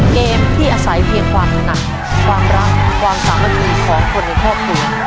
เกมที่อาศัยเพียงความหนักความรักความสามัคคีของคนในครอบครัว